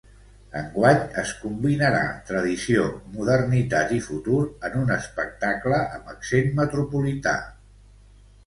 Enguany es combinarà tradició, modernitat i futur en un espectacle amb accent metropolità.